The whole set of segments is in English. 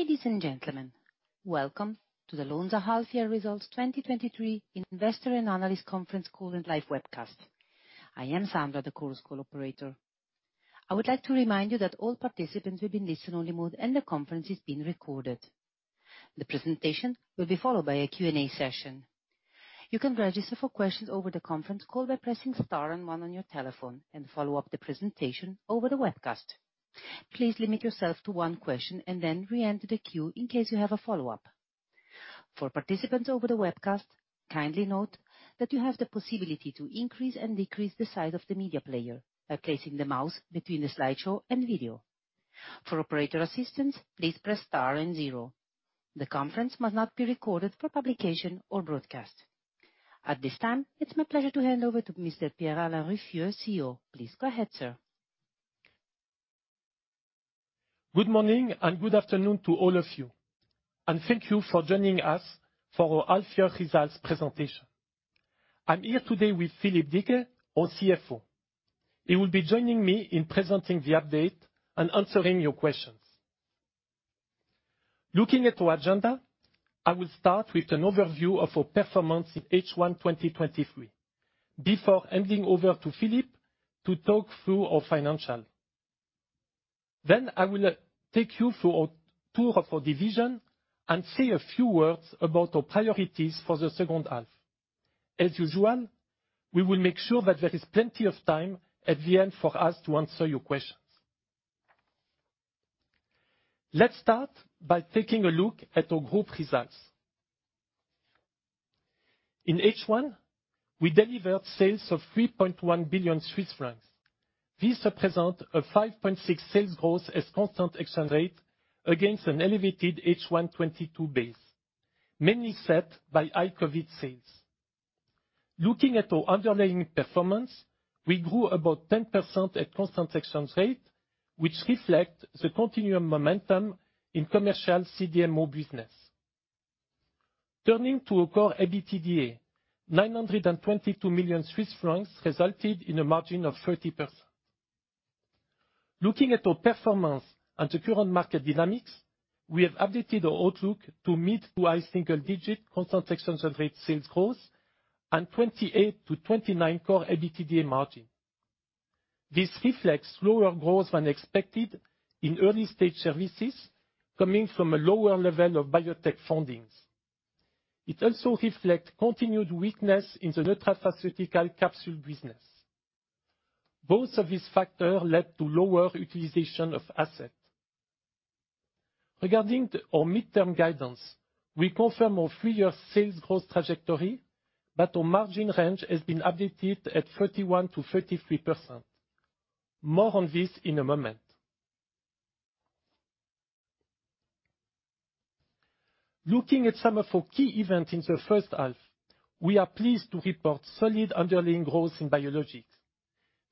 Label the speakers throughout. Speaker 1: Ladies and gentlemen, welcome to the Lonza Half Year Results 2023 Investor and Analyst Conference Call and Live Webcast. I am Sandra, the chorus call operator. I would like to remind you that all participants will be in listen-only mode, and the conference is being recorded. The presentation will be followed by a Q&A session. You can register for questions over the conference call by pressing star and one on your telephone, and follow up the presentation over the webcast. Please limit yourself to one question, and then re-enter the queue in case you have a follow-up. For participants over the webcast, kindly note that you have the possibility to increase and decrease the size of the media player by placing the mouse between the slideshow and video. For operator assistance, please press star and zero. The conference must not be recorded for publication or broadcast. At this time, it's my pleasure to hand over to Mr. Pierre-Alain Ruffieux, CEO. Please go ahead, sir.
Speaker 2: Good morning, good afternoon to all of you, and thank you for joining us for our half year results presentation. I'm here today with Philippe Deecke, our CFO. He will be joining me in presenting the update and answering your questions. Looking at our agenda, I will start with an overview of our performance in H1 2023, before handing over to Philippe to talk through our financial. I will take you through a tour of our division and say a few words about our priorities for the second half. As usual, we will make sure that there is plenty of time at the end for us to answer your questions. Let's start by taking a look at our group results. In H1, we delivered sales of 3.1 billion Swiss francs. These represent a 5.6% sales growth as constant exchange rate against an elevated H1 2022 base, mainly set by high COVID sales. Looking at our underlying performance, we grew about 10% at constant exchange rate, which reflect the continuing momentum in commercial CDMO business. Turning to our CORE EBITDA, 922 million Swiss francs resulted in a margin of 30%. Looking at our performance and the current market dynamics, we have updated our outlook to mid to high single-digit constant exchange rate sales growth and 28%-29% CORE EBITDA margin. This reflects lower growth than expected in early stage services, coming from a lower level of biotech fundings. It also reflects continued weakness in the nutraceutical capsule business. Both of these factors led to lower utilization of assets. Regarding our midterm guidance, we confirm our three-year sales growth trajectory, but our margin range has been updated at 31%-33%. More on this in a moment. Looking at some of our key events in the first half, we are pleased to report solid underlying growth in Biologics.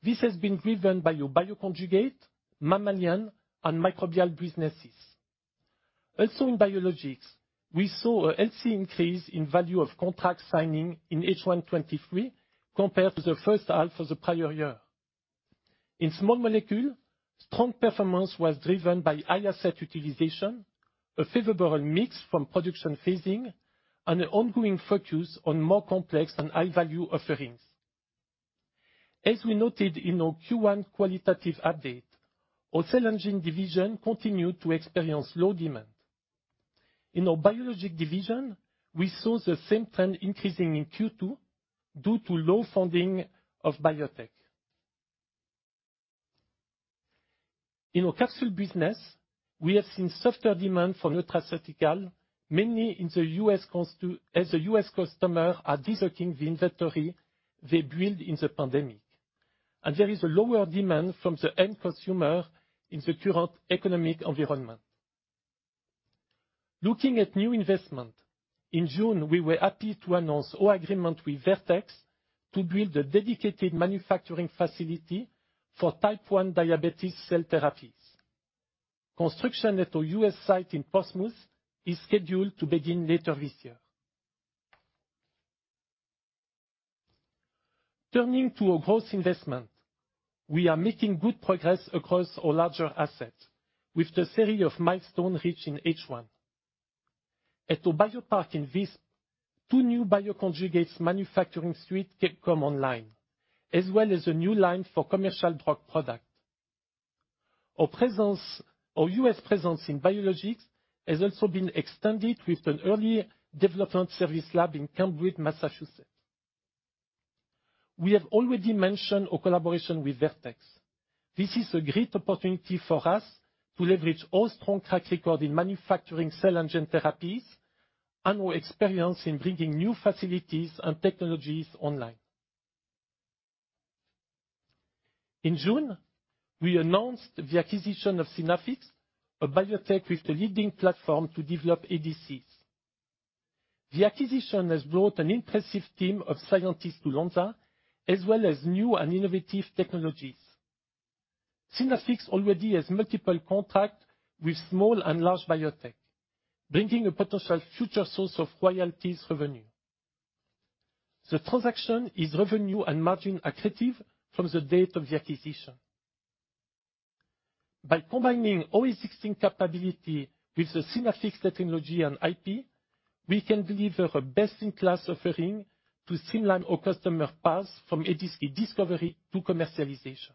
Speaker 2: This has been driven by our bioconjugate, mammalian, and microbial businesses. In Biologics, we saw a healthy increase in value of contract signing in H1 2023, compared to the first half of the prior year. In small molecule, strong performance was driven by higher asset utilization, a favorable mix from production phasing, and an ongoing focus on more complex and high-value offerings. As we noted in our Q1 qualitative update, our Cell & Gene division continued to experience low demand. In our Biologics division, we saw the same trend increasing in Q2 due to low funding of biotech. In our capsule business, we have seen softer demand for nutraceutical, mainly in the U.S. as the U.S. customer are deserting the inventory they built in the pandemic, there is a lower demand from the end consumer in the current economic environment. Looking at new investment, in June, we were happy to announce our agreement with Vertex to build a dedicated manufacturing facility for type 1 diabetes cell therapies. Construction at our U.S. site in Portsmouth is scheduled to begin later this year. Turning to our growth investment, we are making good progress across our larger assets, with a series of milestones reached in H1. At our biopark in Visp, two new bioconjugates manufacturing suite come online, as well as a new line for commercial drug product. Our U.S. presence in biologics has also been extended with an early development service lab in Cambridge, Massachusetts. We have already mentioned our collaboration with Vertex. This is a great opportunity for us to leverage our strong track record in manufacturing Cell & Gene therapies and our experience in bringing new facilities and technologies online. In June, we announced the acquisition of Synaffix, a biotech with the leading platform to develop ADCs. The acquisition has brought an impressive team of scientists to Lonza, as well as new and innovative technologies. Synaffix already has multiple contracts with small and large biotech, bringing a potential future source of royalties revenue. The transaction is revenue and margin accretive from the date of the acquisition. By combining our existing capability with the Synaffix technology and IP, we can deliver a best-in-class offering to streamline our customer path from ADC discovery to commercialization.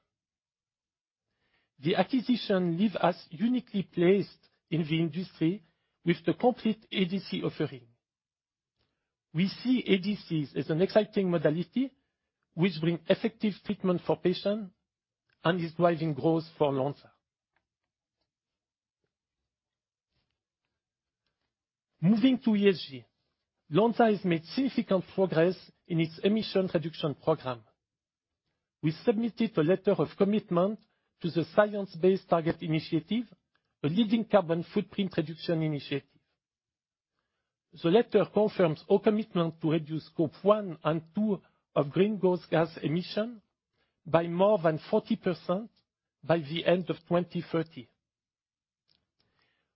Speaker 2: The acquisition leaves us uniquely placed in the industry with the complete ADC offering. We see ADCs as an exciting modality, which bring effective treatment for patients and is driving growth for Lonza. Moving to ESG, Lonza has made significant progress in its emission reduction program. We submitted a letter of commitment to the Science Based Targets initiative, a leading carbon footprint reduction initiative. The letter confirms our commitment to reduce Scope 1 and 2 of greenhouse gas emission by more than 40% by the end of 2030.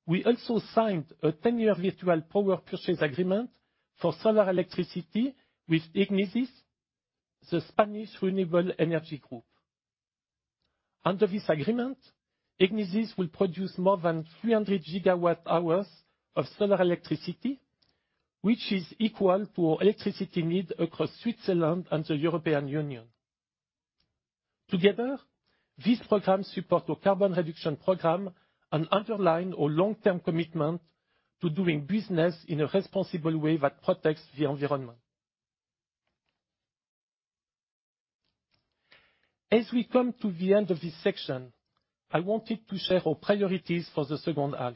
Speaker 2: We also signed a 10-year virtual power purchase agreement for solar electricity with IGNIS, the Spanish renewable energy group. Under this agreement, IGNIS will produce more than 300 gigawatt hours of solar electricity, which is equal to our electricity need across Switzerland and the European Union. Together, these programs support our carbon reduction program and underline our long-term commitment to doing business in a responsible way that protects the environment. As we come to the end of this section, I wanted to share our priorities for the second half.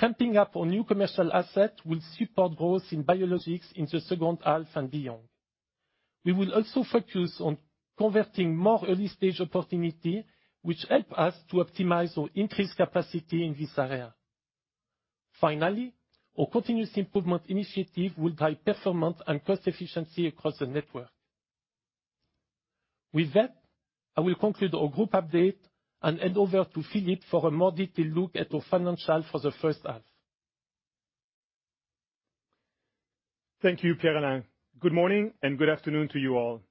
Speaker 2: Ramping up our new commercial asset will support growth in biologics in the second half and beyond. We will also focus on converting more early-stage opportunity, which help us to optimize our increased capacity in this area. Our continuous improvement initiative will drive performance and cost efficiency across the network. With that, I will conclude our group update and hand over to Philippe for a more detailed look at our financials for the first half.
Speaker 3: Thank you, Pierre-Alain. Good morning, good afternoon to you all.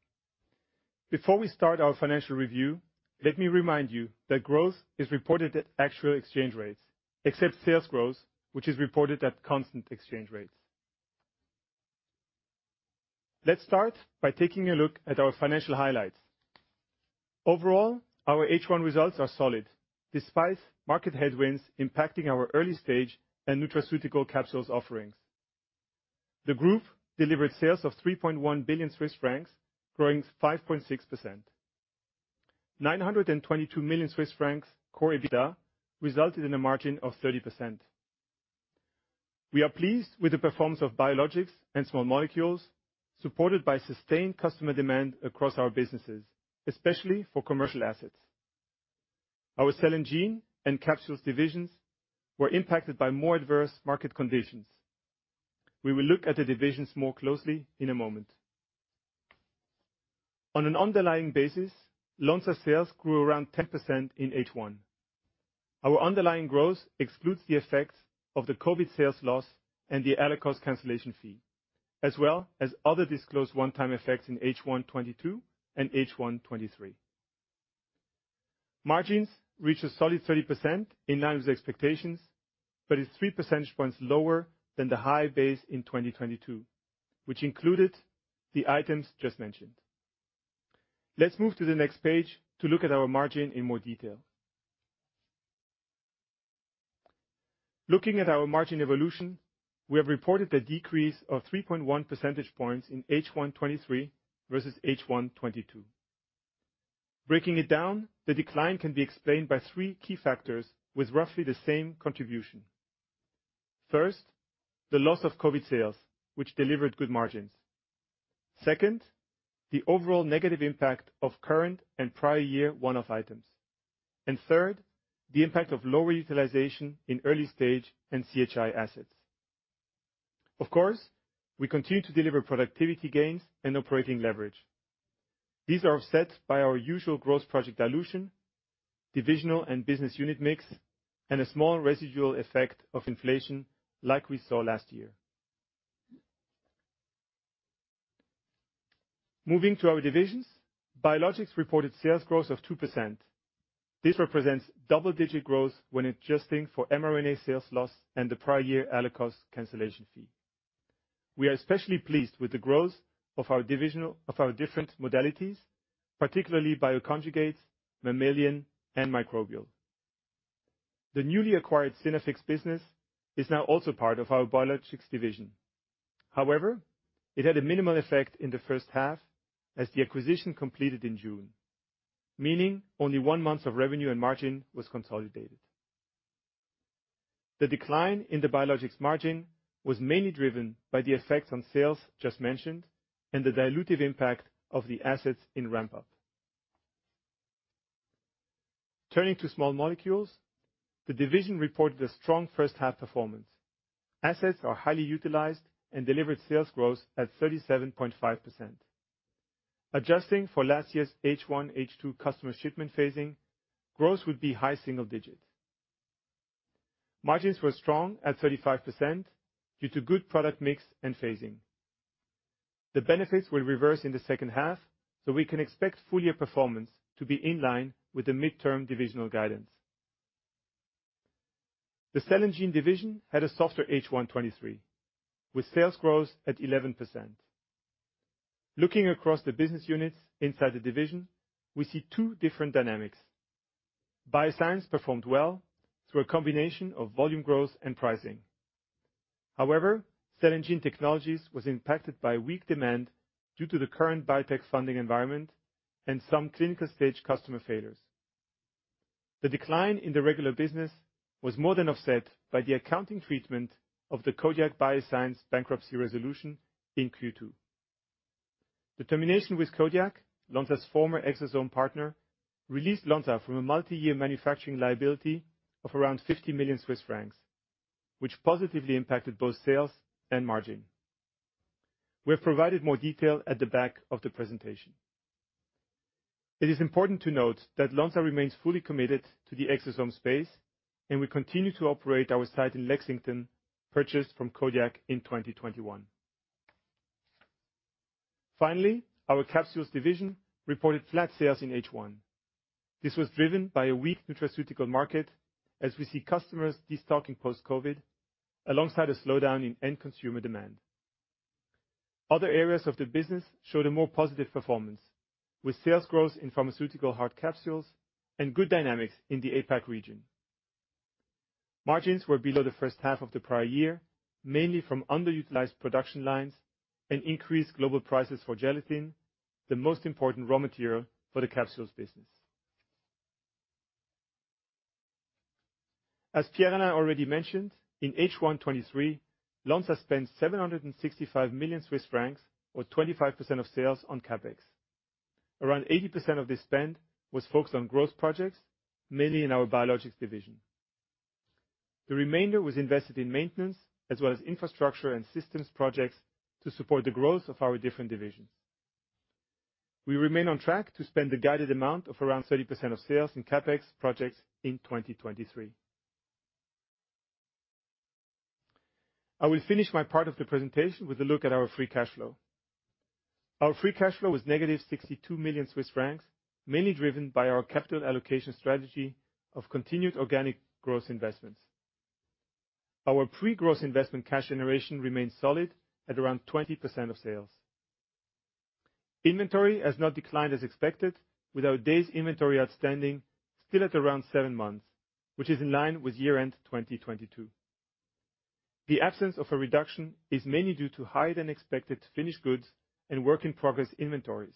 Speaker 3: Before we start our financial review, let me remind you that growth is reported at actual exchange rates, except sales growth, which is reported at constant exchange rates. Let's start by taking a look at our financial highlights. Overall, our H1 results are solid, despite market headwinds impacting our early stage and nutraceutical capsules offerings. The group delivered sales of 3.1 billion Swiss francs, growing 5.6%. 922 million Swiss francs CORE EBITDA resulted in a margin of 30%. We are pleased with the performance of biologics and small molecules, supported by sustained customer demand across our businesses, especially for commercial assets. Our Cell & Gene and capsules divisions were impacted by more adverse market conditions. We will look at the divisions more closely in a moment. On an underlying basis, Lonza sales grew around 10% in H1. Our underlying growth excludes the effects of the COVID sales loss and the Allakos cancellation fee, as well as other disclosed one-time effects in H1 2022 and H1 2023. Margins reached a solid 30% in line with expectations, but is three percentage points lower than the high base in 2022, which included the items just mentioned. Let's move to the next page to look at our margin in more detail. Looking at our margin evolution, we have reported a decrease of 3.1 percentage points in H1 2023 versus H1 2022. Breaking it down, the decline can be explained by three key factors with roughly the same contribution. First, the loss of COVID sales, which delivered good margins. Second, the overall negative impact of current and prior year one-off items. Third, the impact of lower utilization in early stage and CHI assets. Of course, we continue to deliver productivity gains and operating leverage. These are offset by our usual gross project dilution, divisional and business unit mix, and a small residual effect of inflation like we saw last year. Moving to our divisions, Biologics reported sales growth of 2%. This represents double-digit growth when adjusting for mRNA sales loss and the prior year Allakos cancellation fee. We are especially pleased with the growth of our divisional of our different modalities, particularly bioconjugates, mammalian, and microbial. The newly acquired Synaffix business is now also part of our Biologics division. It had a minimal effect in the first half, as the acquisition completed in June, meaning only one month of revenue and margin was consolidated. The decline in the Biologics margin was mainly driven by the effect on sales just mentioned and the dilutive impact of the assets in ramp-up. Turning to small molecules, the division reported a strong first half performance. Assets are highly utilized and delivered sales growth at 37.5%. Adjusting for last year's H1, H2 customer shipment phasing, growth would be high single digit. Margins were strong at 35% due to good product mix and phasing. The benefits will reverse in the second half. We can expect full year performance to be in line with the midterm divisional guidance. The Cell & Gene division had a softer H1 2023, with sales growth at 11%. Looking across the business units inside the division, we see two different dynamics. Bioscience performed well through a combination of volume growth and pricing. Cell & Gene Technologies was impacted by weak demand due to the current biotech funding environment and some clinical stage customer failures. The decline in the regular business was more than offset by the accounting treatment of the Codiak BioSciences bankruptcy resolution in Q2. The termination with Codiak, Lonza's former exosome partner, released Lonza from a multi-year manufacturing liability of around 50 million Swiss francs, which positively impacted both sales and margin. We have provided more detail at the back of the presentation. It is important to note that Lonza remains fully committed to the exosome space, and we continue to operate our site in Lexington, purchased from Codiak in 2021. Our Capsules division reported flat sales in H1. This was driven by a weak nutraceutical market as we see customers destocking post-COVID, alongside a slowdown in end consumer demand. Other areas of the business showed a more positive performance, with sales growth in pharmaceutical hard capsules and good dynamics in the APAC region. Margins were below the first half of the prior year, mainly from underutilized production lines and increased global prices for gelatin, the most important raw material for the capsules business. As Pierre-Alain already mentioned, in H1 2023, Lonza spent 765 million Swiss francs, or 25% of sales, on CapEx. Around 80% of this spend was focused on growth projects, mainly in our Biologics division. The remainder was invested in maintenance, as well as infrastructure and systems projects to support the growth of our different divisions. We remain on track to spend the guided amount of around 30% of sales in CapEx projects in 2023. I will finish my part of the presentation with a look at our free cash flow. Our free cash flow was negative 62 million Swiss francs, mainly driven by our capital allocation strategy of continued organic growth investments. Our pre-growth investment cash generation remains solid at around 20% of sales. Inventory has not declined as expected, with our days inventory outstanding still at around 7 months, which is in line with year-end 2022. The absence of a reduction is mainly due to higher-than-expected finished goods and work-in-progress inventories.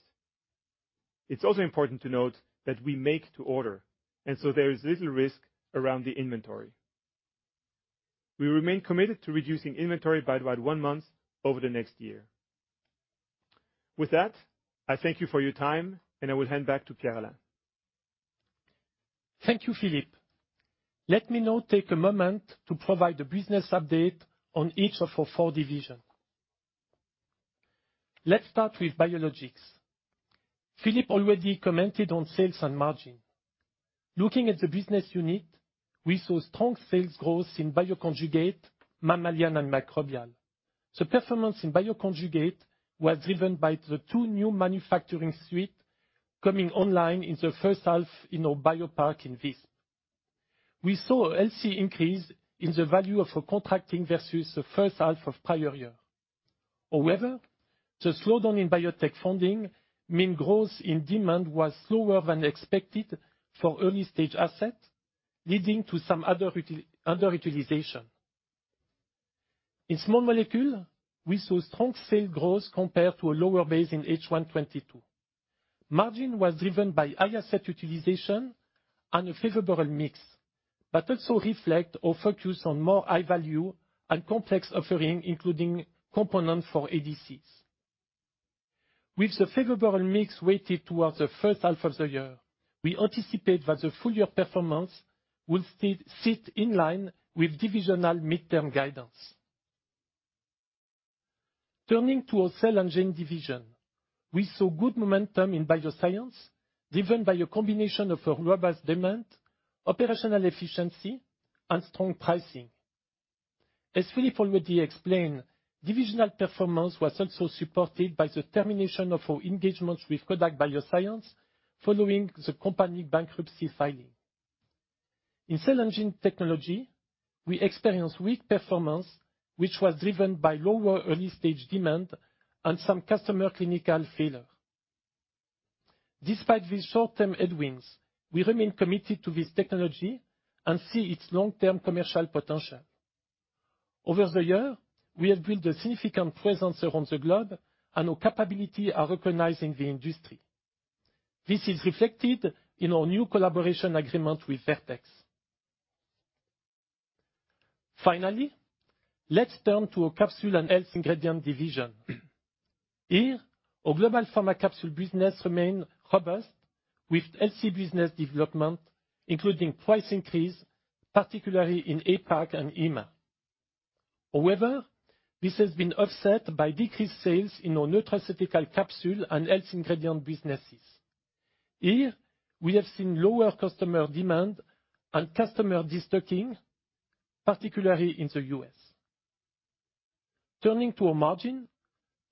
Speaker 3: It's also important to note that we make to order, there is little risk around the inventory. We remain committed to reducing inventory by about 1 month over the next year. With that, I thank you for your time, and I will hand back to Pierre-Alain.
Speaker 2: Thank you, Philippe. Let me now take a moment to provide a business update on each of our four divisions. Let's start with Biologics. Philippe already commented on sales and margin. Looking at the business unit, we saw strong sales growth in bioconjugate, mammalian and microbial. The performance in bioconjugate was driven by the two new manufacturing suite coming online in the first half in our biopark in Visp. We saw a healthy increase in the value of our contracting versus the first half of prior year. The slowdown in biotech funding mean growth in demand was slower than expected for early-stage assets, leading to some underutilization. In small molecule, we saw strong sales growth compared to a lower base in H1 2022. Margin was driven by higher asset utilization and a favorable mix, but also reflect our focus on more high value and complex offering, including components for ADCs. With the favorable mix weighted towards the first half of the year, we anticipate that the full year performance will still sit in line with divisional midterm guidance. Turning to our Cell & Gene division, we saw good momentum in Bioscience, driven by a combination of a robust demand, operational efficiency, and strong pricing. As Philippe already explained, divisional performance was also supported by the termination of our engagement with Codiak BioSciences following the company bankruptcy filing. In Cell & Gene Technologies, we experienced weak performance, which was driven by lower early-stage demand and some customer clinical failure. Despite these short-term headwinds, we remain committed to this technology and see its long-term commercial potential. Over the year, we have built a significant presence around the globe, and our capability are recognized in the industry. This is reflected in our new collaboration agreement with Vertex. Let's turn to our Capsules & Health Ingredients division. Here, our global pharma capsule business remain robust with healthy business development, including price increase, particularly in APAC and EMA. This has been offset by decreased sales in our nutraceutical capsule and health ingredient businesses. Here, we have seen lower customer demand and customer destocking, particularly in the US. Turning to our margin,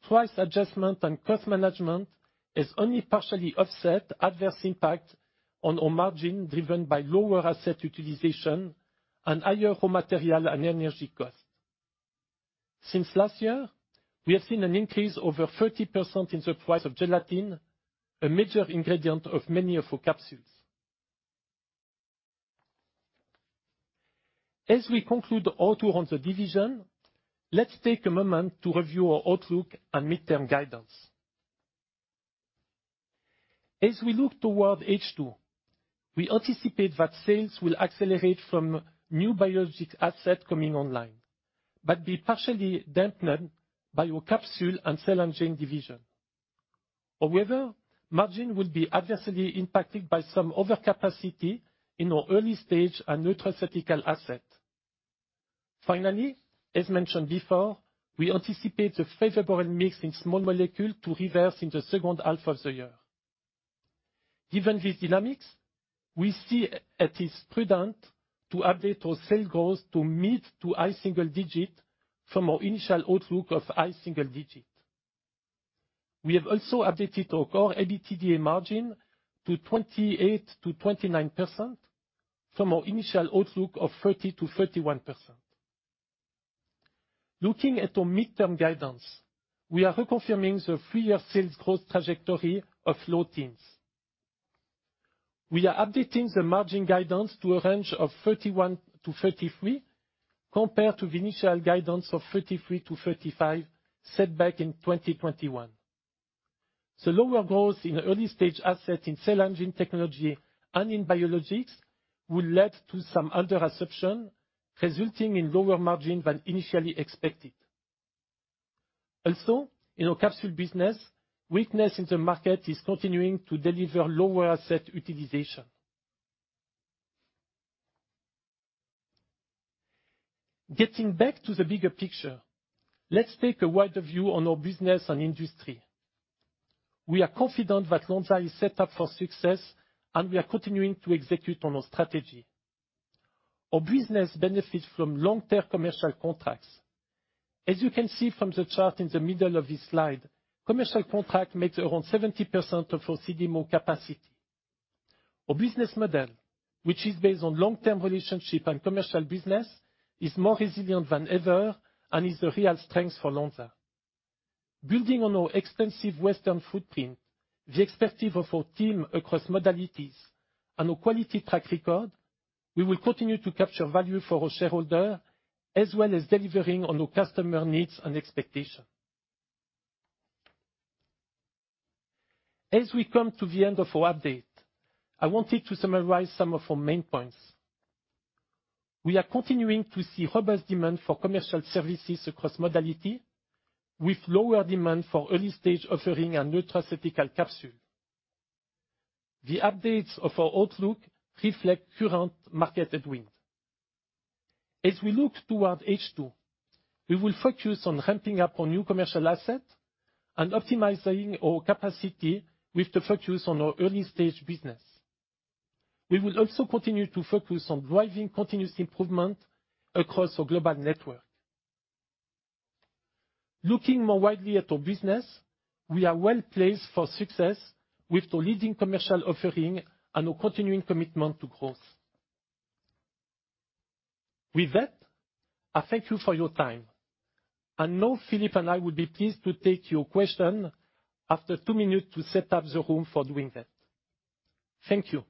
Speaker 2: price adjustment and cost management has only partially offset adverse impact on our margin, driven by lower asset utilization and higher raw material and energy costs. Since last year, we have seen an increase over 30% in the price of gelatin, a major ingredient of many of our capsules. As we conclude our tour on the division, let's take a moment to review our outlook and midterm guidance. As we look toward H2, we anticipate that sales will accelerate from new biologic asset coming online, but be partially dampened by our capsule and Cell & Gene division. However, margin will be adversely impacted by some overcapacity in our early stage and nutraceutical asset. Finally, as mentioned before, we anticipate the favorable mix in small molecule to reverse in the second half of the year. Given these dynamics, we see it is prudent to update our sales goals to mid-to-high single-digit from our initial outlook of high single-digit. We have also updated our CORE EBITDA margin to 28%-29% from our initial outlook of 30%-31%. Looking at our midterm guidance, we are reconfirming the 3-year sales growth trajectory of low teens. We are updating the margin guidance to a range of 31%-33%, compared to the initial guidance of 33%-35%, set back in 2021. The lower growth in early stage asset in Cell & Gene Technologies and in Biologics will lead to some under assumption, resulting in lower margin than initially expected. In our capsule business, weakness in the market is continuing to deliver lower asset utilization. Getting back to the bigger picture, let's take a wider view on our business and industry. We are confident that Lonza is set up for success, we are continuing to execute on our strategy. Our business benefits from long-term commercial contracts. As you can see from the chart in the middle of this slide, commercial contract makes around 70% of our CDMO capacity. Our business model, which is based on long-term relationship and commercial business, is more resilient than ever and is a real strength for Lonza. Building on our extensive Western footprint, the expertise of our team across modalities, and our quality track record, we will continue to capture value for our shareholder, as well as delivering on our customer needs and expectation. As we come to the end of our update, I wanted to summarize some of our main points. We are continuing to see robust demand for commercial services across modality, with lower demand for early stage offering and nutraceutical capsule. The updates of our outlook reflect current market at wind. As we look toward H2, we will focus on ramping up our new commercial asset and optimizing our capacity with the focus on our early-stage business. We will also continue to focus on driving continuous improvement across our global network. Looking more widely at our business, we are well-placed for success with the leading commercial offering and a continuing commitment to growth. With that, I thank you for your time, and now Philippe and I would be pleased to take your question after two minutes to set up the room for doing that. Thank you.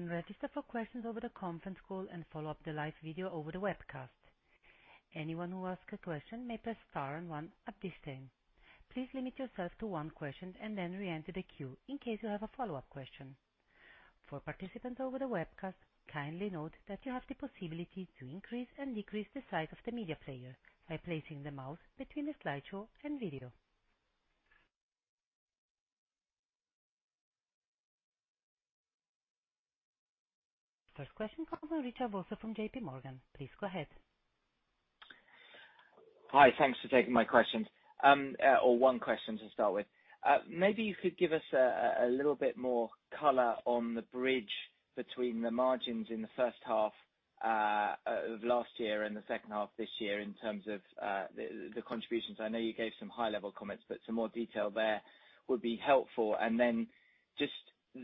Speaker 1: You can register for questions over the conference call and follow up the live video over the webcast. Anyone who asks a question may press star and one at this time. Please limit yourself to one question and then re-enter the queue in case you have a follow-up question. For participants over the webcast, kindly note that you have the possibility to increase and decrease the size of the media player by placing the mouse between the slideshow and video. First question comes from Richard Vosser from JPMorgan. Please go ahead.
Speaker 4: Hi, thanks for taking my questions. One question to start with. Maybe you could give us a little bit more color on the bridge between the margins in the first half of last year and the second half this year, in terms of the contributions. I know you gave some high-level comments, but some more detail there would be helpful. Just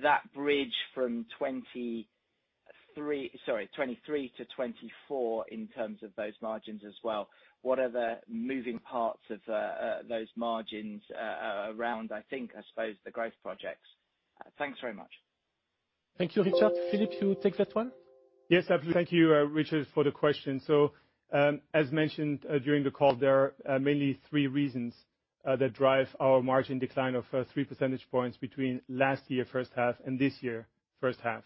Speaker 4: that bridge from Sorry, 2023 to 2024, in terms of those margins as well. What are the moving parts of those margins around, I think, I suppose, the growth projects? Thanks very much.
Speaker 2: Thank you, Richard. Philippe, you take that one?
Speaker 3: Yes, absolutely. Thank you, Richard, for the question. As mentioned during the call, there are mainly three reasons that drive our margin decline of three percentage points between last year first half and this year first half.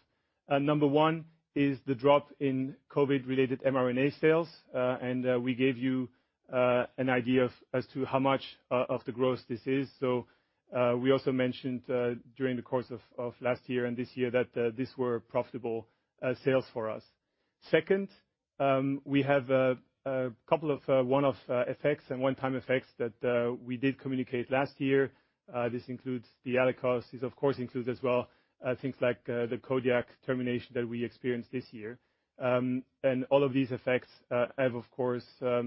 Speaker 3: Number one is the drop in COVID-related mRNA sales, and we gave you an idea of as to how much of the growth this is. We also mentioned during the course of last year and this year, that these were profitable sales for us. Second, we have a couple of one-off effects and one-time effects that we did communicate last year. This includes the Allakos costs. This, of course, includes as well, things like the Codiak termination that we experienced this year. All of these effects have, of course, a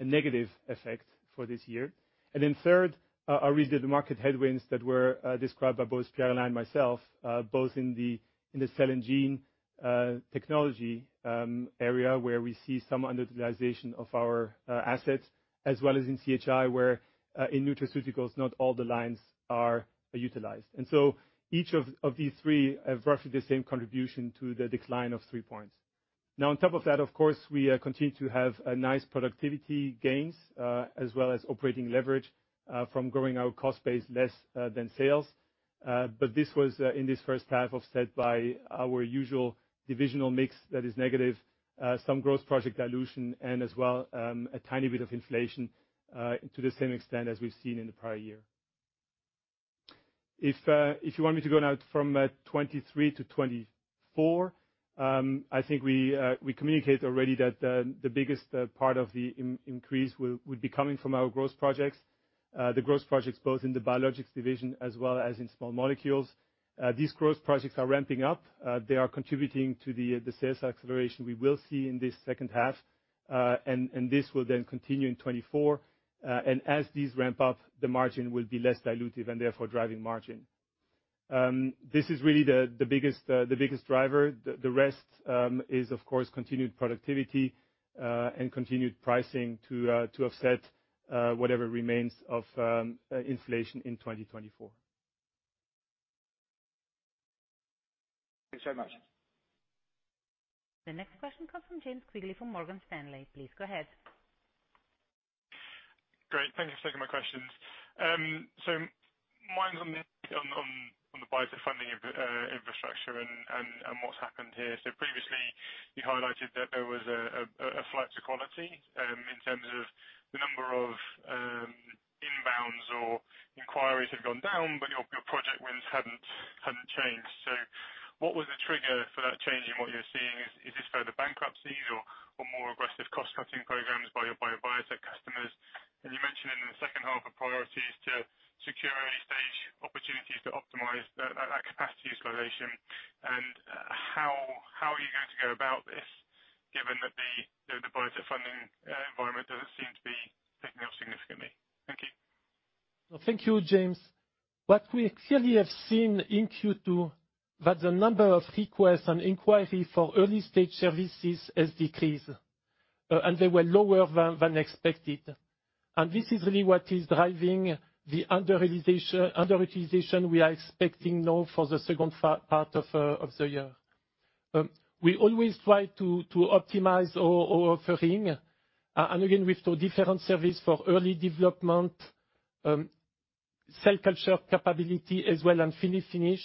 Speaker 3: negative effect for this year. Third, our recent market headwinds that were described by both Pierre and myself, both in the Cell & Gene Technologies area, where we see some underutilization of our assets, as well as in CHI, where in nutraceuticals, not all the lines are utilized. Each of these three have roughly the same contribution to the decline of 3 points. On top of that, of course, we continue to have a nice productivity gains, as well as operating leverage from growing our cost base less than sales. This was in this first half, offset by our usual divisional mix that is negative, some growth project dilution, and as well, a tiny bit of inflation to the same extent as we've seen in the prior year. If, if you want me to go now from 2023 to 2024, I think we communicated already that the biggest part of the increase would be coming from our growth projects. The growth projects, both in the Biologics division as well as in small molecules. These growth projects are ramping up. They are contributing to the sales acceleration we will see in this second half. This will then continue in 2024, and as these ramp up, the margin will be less dilutive and therefore driving margin. This is really the biggest driver. The rest is of course, continued productivity, and continued pricing to offset whatever remains of inflation in 2024.
Speaker 4: Thanks so much.
Speaker 1: The next question comes from James Quigley, from Morgan Stanley. Please go ahead.
Speaker 5: Great, thank you for taking my questions. Mine's on the biofunding infrastructure and what's happened here. Previously, you highlighted that there was a flight to quality in terms of the number of inbounds or inquiries had gone down, but your project wins hadn't changed. What was the trigger for that change, and what you're seeing is this further bankruptcies or more aggressive cost-cutting programs by your biotech customers? You mentioned in the second half, a priority is to secure early-stage opportunities to optimize the that capacity utilization, and how are you going to go about this, given that the biofunding environment doesn't seem to be picking up significantly? Thank you.
Speaker 2: Thank you, James. What we clearly have seen in Q2, that the number of requests and inquiries for early-stage services has decreased, and they were lower than expected. This is really what is driving the underutilization we are expecting now for the second part of the year. We always try to optimize our offering, and again, with the different service for early development, cell culture capability as well, and finish.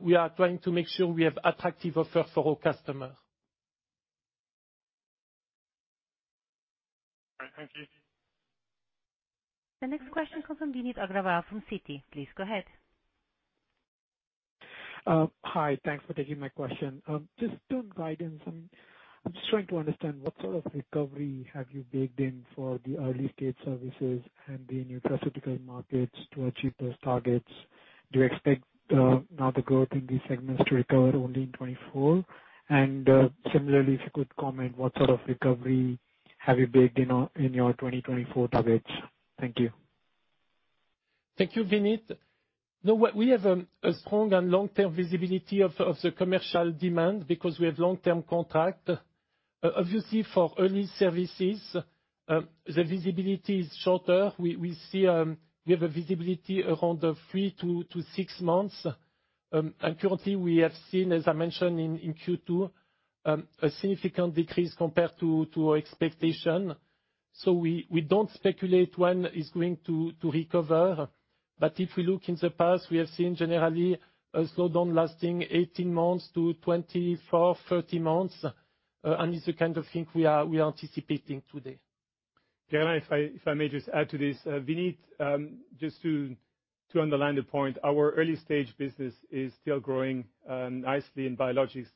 Speaker 2: We are trying to make sure we have attractive offer for our customer.
Speaker 5: All right, thank you.
Speaker 1: The next question comes from Vineet Agrawal from Citi. Please go ahead.
Speaker 6: Hi, thanks for taking my question. Just to invite in. I'm just trying to understand what sort of recovery have you baked in for the early-stage services and the nutraceutical markets to achieve those targets? Do you expect now the growth in these segments to recover only in 2024? Similarly, if you could comment, what sort of recovery have you baked in your 2024 targets? Thank you.
Speaker 2: We have a strong and long-term visibility of the commercial demand because we have long-term contract. Obviously, for early services, the visibility is shorter. We see we have a visibility around three to six months. Currently, we have seen, as I mentioned in Q2, a significant decrease compared to our expectation. We don't speculate when it's going to recover. If we look in the past, we have seen generally a slowdown lasting 18 months to 24, 30 months, and it's the kind of thing we are anticipating today.
Speaker 3: Geraldine, if I may just add to this. Vineet, just to underline the point, our early-stage business is still growing nicely in biologics,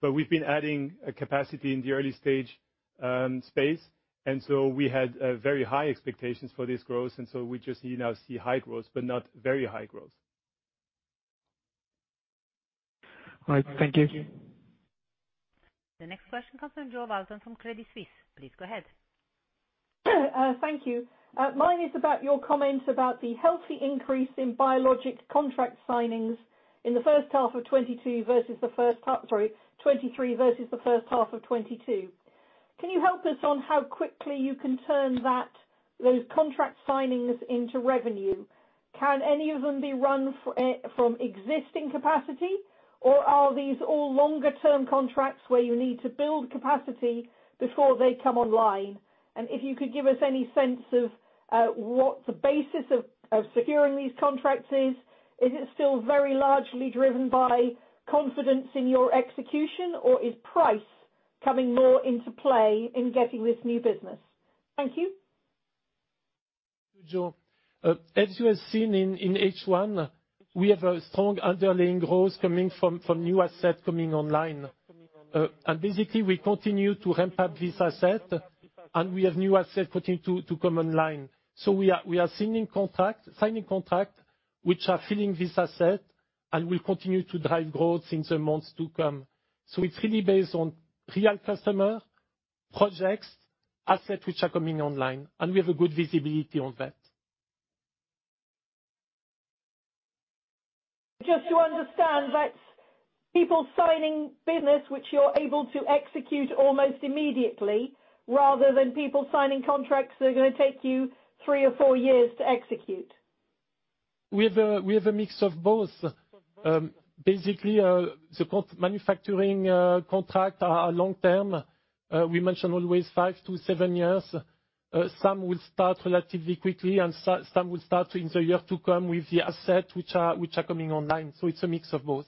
Speaker 3: but we've been adding a capacity in the early stage space. We had very high expectations for this growth. We just see, now see high growth, but not very high growth.
Speaker 6: All right. Thank you.
Speaker 1: The next question comes from Jo Walton from Credit Suisse. Please go ahead.
Speaker 7: Thank you. Mine is about your comment about the healthy increase in biologics contract signings in the first half of 2023 versus the first half of 2022. Can you help us on how quickly you can turn that, those contract signings into revenue? Can any of them be run from existing capacity, or are these all longer-term contracts where you need to build capacity before they come online? And if you could give us any sense of what the basis of securing these contracts is. Is it still very largely driven by confidence in your execution, or is price coming more into play in getting this new business? Thank you.
Speaker 2: Jo, as you have seen in H1, we have a strong underlying growth coming from new asset coming online. Basically, we continue to ramp up this asset, and we have new asset continuing to come online. We are signing contract, which are filling this asset and will continue to drive growth in the months to come. It's really based on real customer projects, assets which are coming online, and we have a good visibility on that.
Speaker 7: Just to understand, that's people signing business which you're able to execute almost immediately, rather than people signing contracts that are gonna take you three or four years to execute.
Speaker 2: We have a mix of both. Basically, the manufacturing contract are long-term. We mention always five to seven years. Some will start relatively quickly, and some will start in the year to come with the asset, which are coming online. It's a mix of both.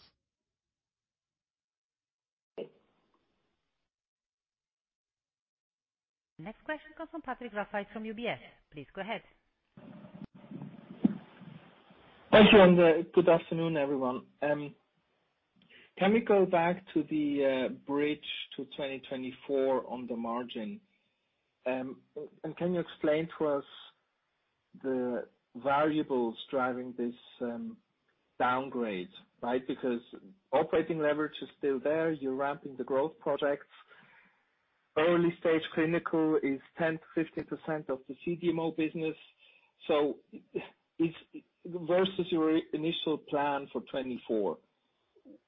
Speaker 7: Okay.
Speaker 1: Next question comes from Patrick Rafaisz from UBS. Please go ahead.
Speaker 8: Thank you, and good afternoon, everyone. Can we go back to the bridge to 2024 on the margin? Can you explain to us the variables driving this downgrade, right? Because operating leverage is still there. You're ramping the growth projects. Early stage clinical is 10%-15% of the CDMO business, so it's. Versus your initial plan for 2024,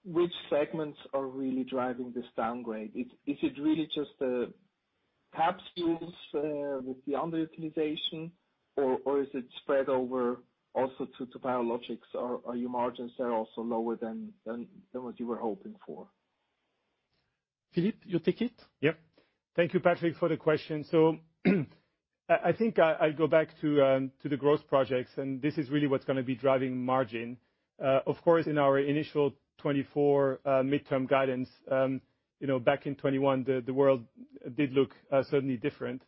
Speaker 8: which segments are really driving this downgrade? Is it really just the capsules with the underutilization, or is it spread over also to biologics? Or are your margins there also lower than what you were hoping for?
Speaker 2: Philippe, you take it?
Speaker 3: Yep. Thank you, Patrick, for the question. I think I'll go back to the growth projects, and this is really what's gonna be driving margin. Of course, in our initial 2024 midterm guidance, you know, back in 2021, the world did look certainly different.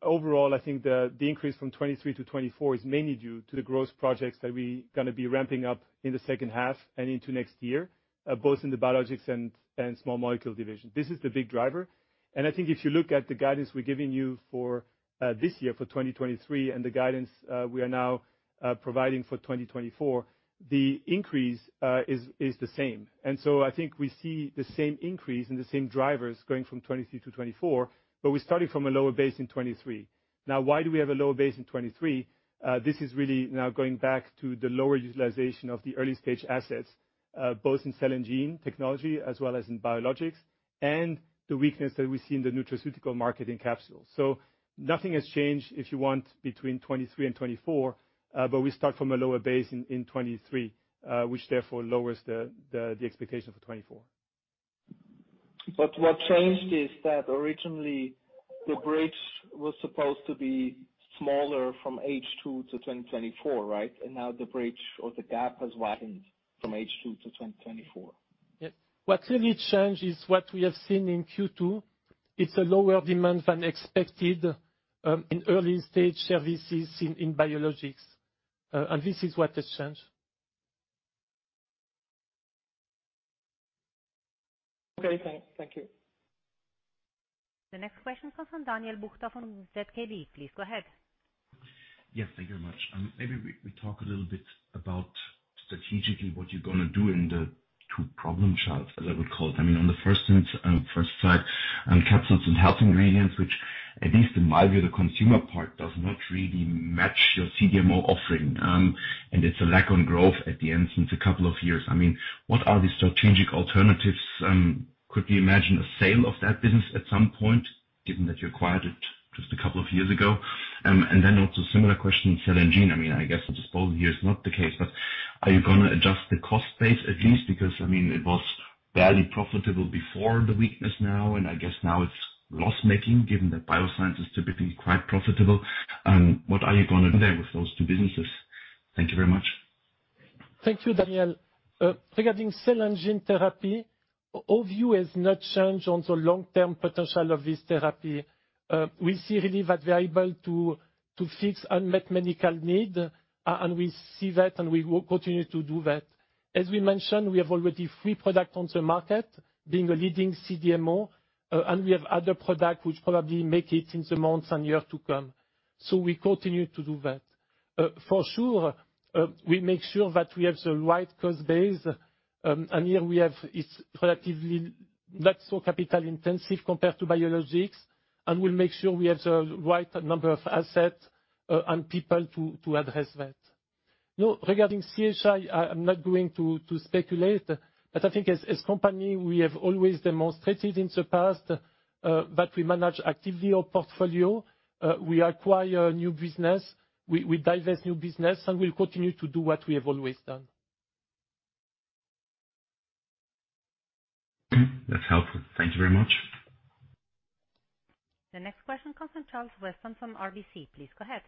Speaker 3: Overall, I think the increase from 2023 to 2024 is mainly due to the growth projects that we're gonna be ramping up in the second half and into next year, both in the biologics and small molecule division. This is the big driver. I think if you look at the guidance we're giving you for this year, for 2023, and the guidance we are now providing for 2024, the increase is the same. I think we see the same increase and the same drivers going from 2023 to 2024, but we're starting from a lower base in 2023. Why do we have a lower base in 2023? This is really now going back to the lower utilization of the early-stage assets, both in Cell & Gene Technologies as well as in biologics, and the weakness that we see in the nutraceutical market in capsules. Nothing has changed, if you want, between 2023 and 2024, but we start from a lower base in 2023, which therefore lowers the expectation for 2024.
Speaker 8: What changed is that originally, the bridge was supposed to be smaller from H2 to 2024, right? Now the bridge or the gap has widened from H2 to 2024.
Speaker 2: Yes. What really changed is what we have seen in Q2. It's a lower demand than expected, in early-stage services in biologics. This is what has changed.
Speaker 8: Okay, thank you.
Speaker 1: The next question comes from Daniel Buchta from ZKB. Please go ahead.
Speaker 9: Yes, thank you very much. Maybe we talk a little bit about strategically what you're gonna do in the two problem charts, as I would call it. I mean, on the first instance, first side, on Capsules & Health Ingredients, which at least in my view, the consumer part does not really match your CDMO offering. It's a lack on growth at the end, since a couple of years. I mean, what are the strategic alternatives? Could we imagine a sale of that business at some point, given that you acquired it just a couple of years ago? Then also similar question, Cell & Gene. I mean, I guess disposal here is not the case, but are you gonna adjust the cost base, at least? I mean, it was barely profitable before the weakness now, and I guess now it's loss-making, given that Bioscience is typically quite profitable. What are you gonna do there with those two businesses? Thank you very much.
Speaker 2: Thank you, Daniel. Regarding Cell & Gene therapy, our view has not changed on the long-term potential of this therapy. We see really that we are able to fix unmet medical need, and we see that, and we will continue to do that. As we mentioned, we have already three product on the market, being a leading CDMO, and we have other product which probably make it in the months and year to come. We continue to do that. For sure, we make sure that we have the right cost base, and here we have. It's relatively not so capital intensive compared to biologics, and we'll make sure we have the right number of assets, and people to address that. Regarding CGT, I'm not going to speculate, but I think as company, we have always demonstrated in the past that we manage actively our portfolio. We acquire new business, we divest new business, and we'll continue to do what we have always done.
Speaker 9: That's helpful. Thank you very much.
Speaker 1: The next question comes from Charles Weston from RBC. Please go ahead.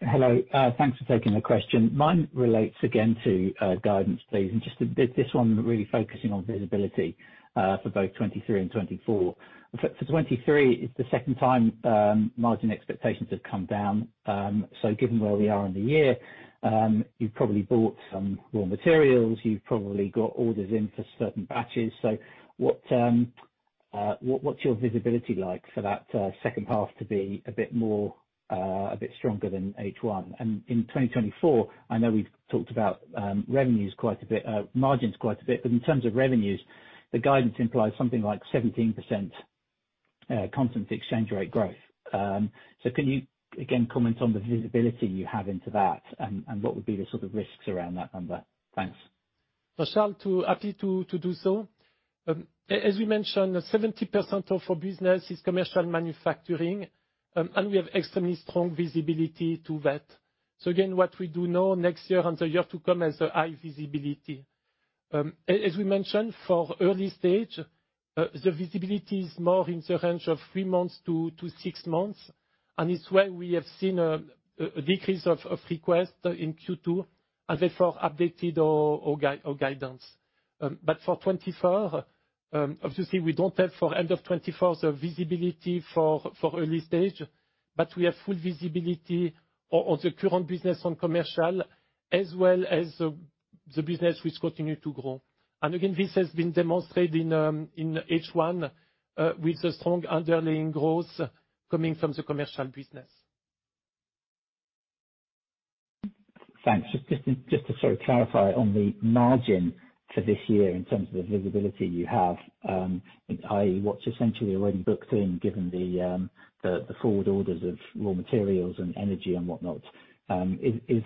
Speaker 10: Hello. Thanks for taking the question. Mine relates again to guidance, please, and just a bit, this one really focusing on visibility for both 2023 and 2024. For 2023, it's the second time margin expectations have come down. Given where we are in the year, you've probably bought some raw materials, you've probably got orders in for certain batches. What's your visibility like for that second half to be a bit more a bit stronger than H1? In 2024, I know we've talked about revenues quite a bit, margins quite a bit, but in terms of revenues, the guidance implies something like 17% constant exchange rate growth. Can you again comment on the visibility you have into that, and what would be the sort of risks around that number? Thanks.
Speaker 2: Charles, happy to do so. As we mentioned, 70% of our business is commercial manufacturing, and we have extremely strong visibility to that. Again, what we do know, next year and the year to come has a high visibility. As we mentioned, for early stage, the visibility is more in the range of 3 months to 6 months, and it's why we have seen a decrease of request in Q2, and therefore updated our guidance. But for 2024, obviously we don't have for end of 2024, the visibility for early stage, but we have full visibility on the current business on commercial, as well as the business which continue to grow. Again, this has been demonstrated in H1, with the strong underlying growth coming from the commercial business.
Speaker 10: Thanks. Just to sort of clarify on the margin for this year, in terms of the visibility you have, what's essentially already booked in, given the forward orders of raw materials and energy and whatnot, is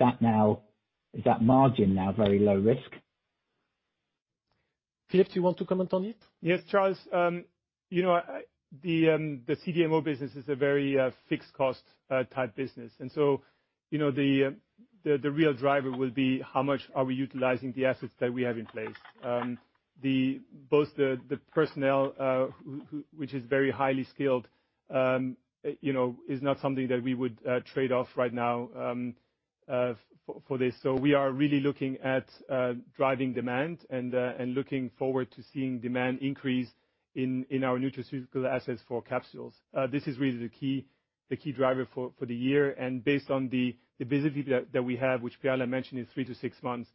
Speaker 10: that margin now very low risk?
Speaker 2: Philippe, do you want to comment on it?
Speaker 3: Yes, Charles. You know, the CDMO business is a very fixed cost type business. You know, the real driver will be how much are we utilizing the assets that we have in place? The both the personnel which is very highly skilled, you know, is not something that we would trade off right now for this. We are really looking at driving demand and looking forward to seeing demand increase in our nutraceutical assets for capsules. This is really the key, the key driver for the year. Based on the visibility that we have, which Pierre-Alain mentioned is three to six months,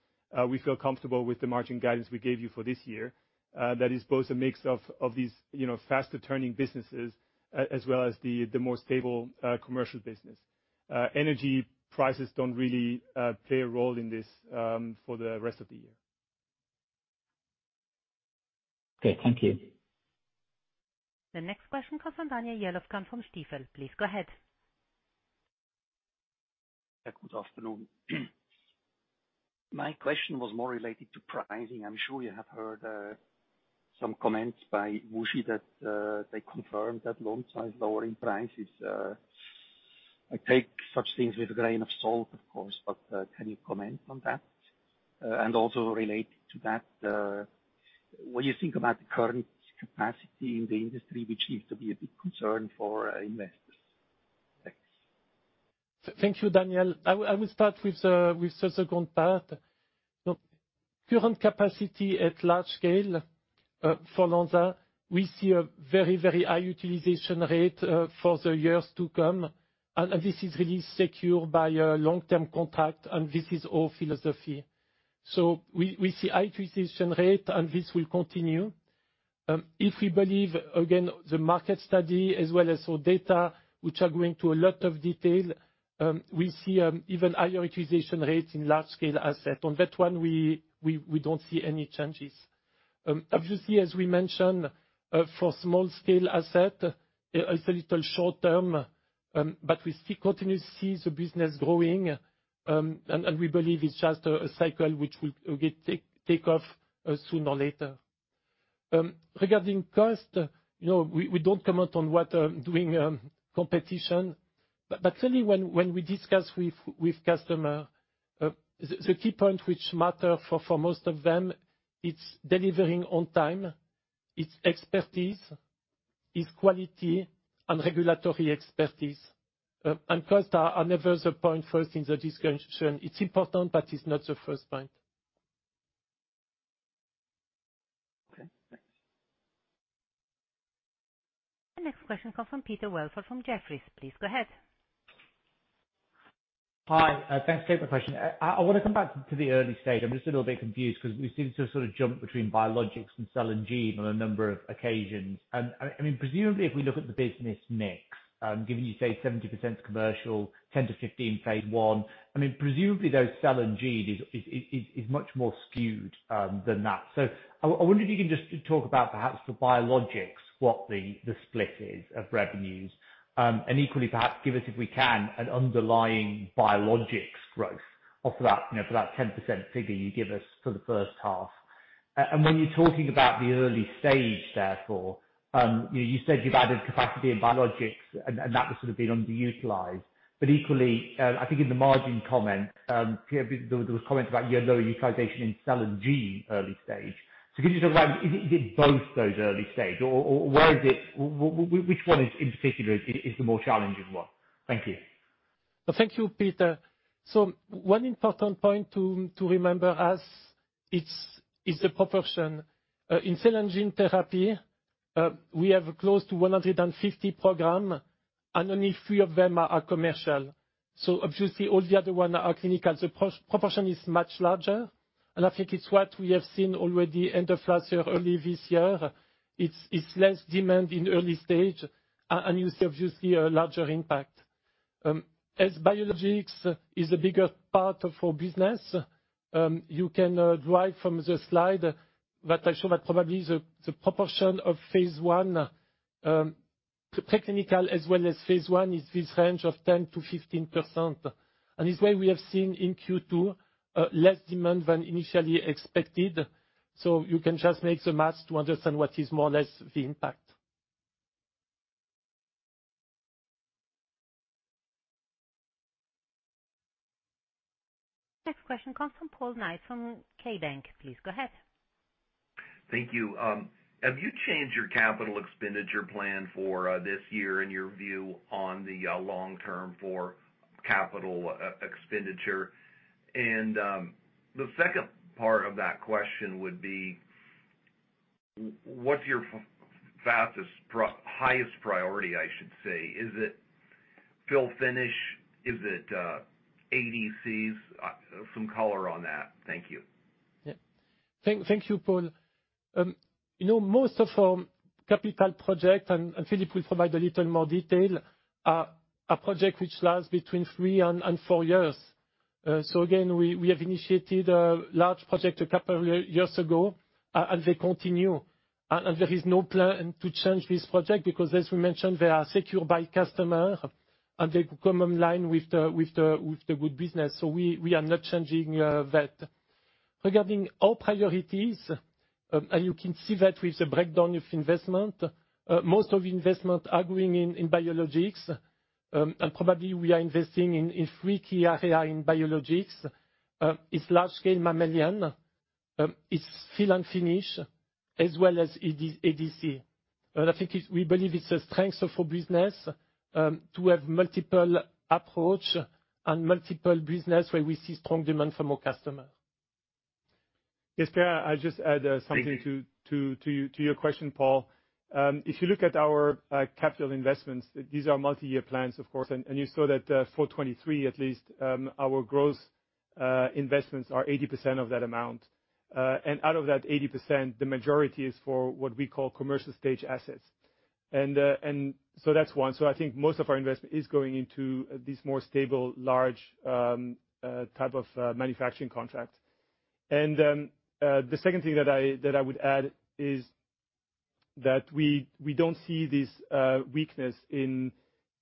Speaker 3: we feel comfortable with the margin guidance we gave you for this year. That is both a mix of these, you know, faster turning businesses, as well as the more stable, commercial business. Energy prices don't really play a role in this for the rest of the year.
Speaker 10: Okay, thank you.
Speaker 1: The next question comes from Daniel Jelovcan from Stifel. Please go ahead.
Speaker 11: Good afternoon. My question was more related to pricing. I'm sure you have heard some comments by WuXi that they confirmed that Lonza's lowering price is. I take such things with a grain of salt, of course, but can you comment on that? Also related to that, what do you think about the current capacity in the industry, which seems to be a big concern for investors? Thanks.
Speaker 2: Thank you, Daniel. I will start with the second part. Current capacity at large scale for Lonza, we see a very high utilization rate for the years to come, and this is really secured by a long-term contract, and this is our philosophy. We see high utilization rate, and this will continue. If we believe, again, the market study as well as our data, which are going to a lot of detail, we see even higher utilization rates in large-scale asset. On that one, we don't see any changes. Obviously, as we mentioned, for small-scale asset, it's a little short term, but we see continuously see the business growing, and we believe it's just a cycle which will get take off sooner or later. Regarding cost, you know, we don't comment on what doing competition. Certainly when we discuss with customer, the key point which matter for most of them, it's delivering on time, it's expertise, it's quality and regulatory expertise. Cost are never the point first in the discussion. It's important, but it's not the first point.
Speaker 3: Okay, thanks.
Speaker 1: The next question comes from Peter Welford, from Jefferies. Please go ahead.
Speaker 12: Hi, thanks for taking my question. I wanna come back to the early stage. I'm just a little bit confused because we seem to sort of jump between biologics and Cell & Gene on a number of occasions. I mean, presumably, if we look at the business mix, given you say 70%'s commercial, 10-15 phase I, I mean, presumably, those Cell & Gene is much more skewed than that. I wonder if you can just talk about perhaps for biologics, what the split is of revenues. Equally, perhaps give us, if we can, an underlying biologics growth off of that, you know, for that 10% figure you give us for the first half. When you're talking about the early stage, therefore, you know, you said you've added capacity in biologics, and that was sort of being underutilized. Equally, I think in the margin comment, there was comment about your low utilization in Cell & Gene early stage. Could you talk about, is it both those early stage, or where is it, which one is, in particular is the more challenging one? Thank you.
Speaker 2: Thank you, Peter. One important point to remember as it's the proportion. In Cell & Gene therapy, we have close to 150 program, and only three of them are commercial. Obviously, all the other ones are clinical. The proportion is much larger, and I think it's what we have seen already end of last year, early this year. It's less demand in early stage, and you see, obviously, a larger impact. As Biologics is a bigger part of our business, you can derive from the slide that I show that probably the proportion of phase I, pre-clinical, as well as phase I, is this range of 10%-15%. It's why we have seen in Q2, less demand than initially expected. You can just make the math to understand what is more or less the impact.
Speaker 1: Next question comes from Paul Knight, from KeyBanc. Please go ahead.
Speaker 13: Thank you. Have you changed your capital expenditure plan for this year, in your view, on the long term for capital expenditure? The second part of that question would be: What's your fastest highest priority, I should say? Is it fill-finish? Is it ADCs? Some color on that. Thank you.
Speaker 2: Yeah. Thank you, Paul. You know, most of our capital project, and Philippe will provide a little more detail, are project which lasts between three and four years. Again, we have initiated a large project a couple of years ago, and they continue. There is no plan to change this project, because as we mentioned, they are secured by customer, and they come online with the good business, so we are not changing that. Regarding our priorities, and you can see that with the breakdown of investment, most of investment are going in biologics, and probably we are investing in three key area in biologics. It's large-scale mammalian, it's fill and finish, as well as ADC. I think we believe it's a strength of our business to have multiple approach and multiple business where we see strong demand from our customer.
Speaker 3: Yes, Pierre, I'll just add, something.
Speaker 13: Thank you.
Speaker 3: To your question, Paul. If you look at our capital investments, these are multi-year plans, of course, and you saw that for 2023 at least, our growth investments are 80% of that amount. Out of that 80%, the majority is for what we call commercial-stage assets. That's one. I think most of our investment is going into these more stable, large type of manufacturing contract. The second thing that I would add, is that we don't see this weakness in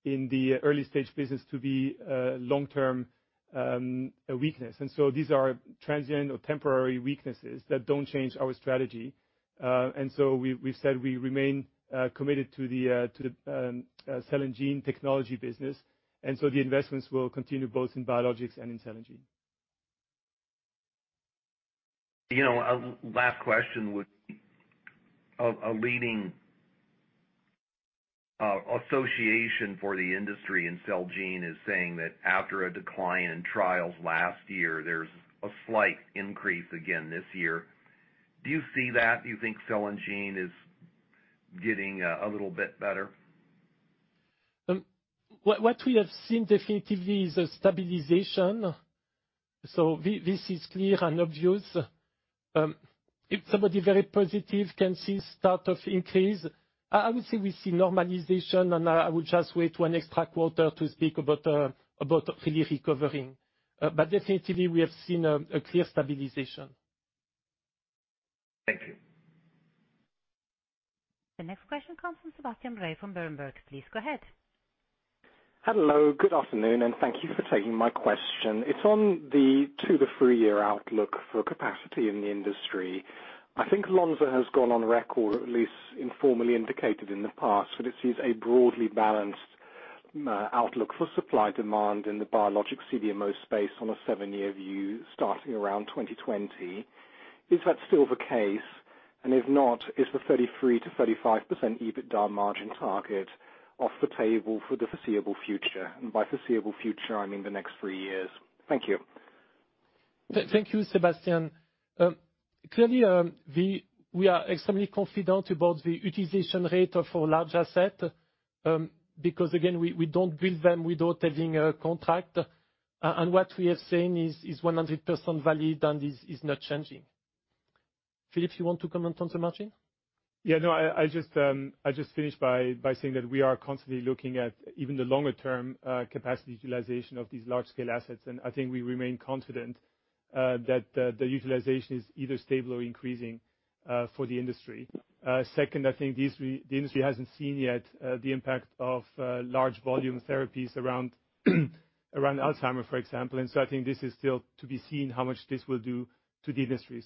Speaker 3: the early-stage business to be a long-term weakness. These are transient or temporary weaknesses that don't change our strategy. We said we remain committed to the Cell & Gene Technologies business, and so the investments will continue both in biologics and in Cell & Gene.
Speaker 13: You know, last question would, of leading- association for the industry in Cell & Gene is saying that after a decline in trials last year, there's a slight increase again this year. Do you see that? Do you think Cell & Gene is getting a little bit better?
Speaker 2: What we have seen definitively is a stabilization. This is clear and obvious. If somebody very positive can see start of increase, I would say we see normalization, and I would just wait one extra quarter to speak about fully recovering. Definitely we have seen a clear stabilization.
Speaker 13: Thank you.
Speaker 1: The next question comes from Sebastian Bray from Berenberg. Please go ahead.
Speaker 14: Hello, good afternoon, and thank you for taking my question. It's on the two to three-year outlook for capacity in the industry. I think Lonza has gone on record, or at least informally indicated in the past, that it sees a broadly balanced outlook for supply-demand in the biologic CDMO space on a seven-year view starting around 2020. Is that still the case? If not, is the 33%-35% EBITDA margin target off the table for the foreseeable future? By foreseeable future, I mean the next three years. Thank you.
Speaker 2: Thank you, Sebastian. clearly, we are extremely confident about the utilization rate of our large asset, because, again, we don't build them without having a contract. what we are saying is 100% valid and is not changing. Philippe, you want to comment on the margin?
Speaker 3: Yeah, no, I just finish by saying that we are constantly looking at even the longer-term capacity utilization of these large-scale assets, and I think we remain confident that the utilization is either stable or increasing for the industry. Second, I think the industry hasn't seen yet the impact of large volume therapies around Alzheimer's, for example. I think this is still to be seen how much this will do to the industry.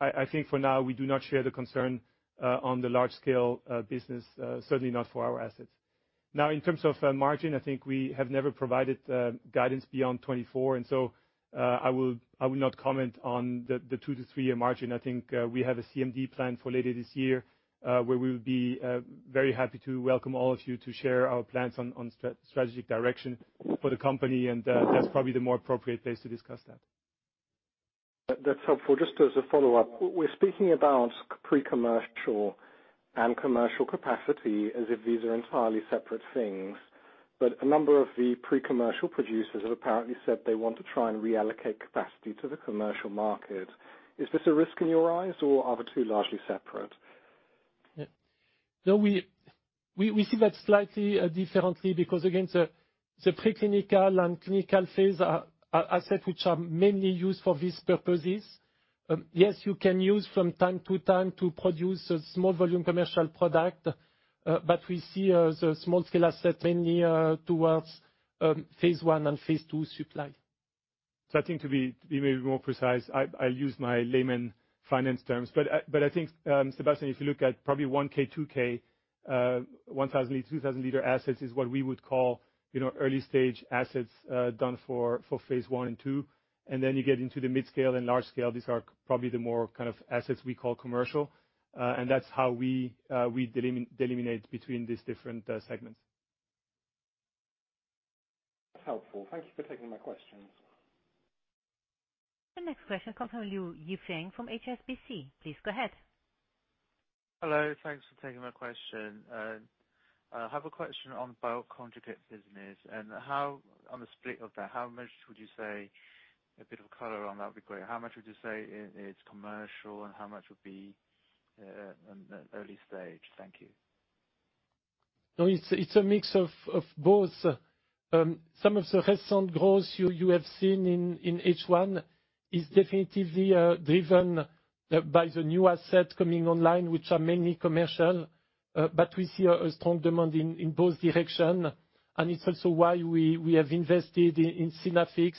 Speaker 3: I think for now, we do not share the concern on the large scale business, certainly not for our assets. Now, in terms of margin, I think we have never provided guidance beyond 2024, I will not comment on the two to three-year margin. I think, we have a CMD plan for later this year, where we will be very happy to welcome all of you to share our plans on strategic direction for the company. That's probably the more appropriate place to discuss that.
Speaker 14: That's helpful. Just as a follow-up, we're speaking about pre-commercial and commercial capacity as if these are entirely separate things, but a number of the pre-commercial producers have apparently said they want to try and reallocate capacity to the commercial market. Is this a risk in your eyes, or are the two largely separate?
Speaker 2: Yeah. No, we see that slightly differently because, again, the preclinical and clinical phase are asset which are mainly used for these purposes. Yes, you can use from time to time to produce a small volume commercial product, but we see the small scale asset mainly towards phase one and phase two supply.
Speaker 3: I think to be maybe more precise, I'll use my layman finance terms. But I think Sebastian, if you look at probably 1 K, 2 K, 1,000 liter, 2,000 liter assets is what we would call, you know, early stage assets, done for phase I and II. Then you get into the mid-scale and large scale. These are probably the more kind of assets we call commercial, and that's how we delimitate between these different segments.
Speaker 14: Helpful. Thank you for taking my questions.
Speaker 1: The next question comes from Yifeng Liu from HSBC. Please go ahead.
Speaker 15: Hello, thanks for taking my question. I have a question on bioconjugate business. On the split of that, how much would you say, a bit of color on that would be great. How much would you say it's commercial, and how much would be on the early stage? Thank you.
Speaker 2: No, it's a mix of both. Some of the recent growth you have seen in H1 is definitely driven by the new asset coming online, which are mainly commercial. We see a strong demand in both direction, and it's also why we have invested in Synaffix,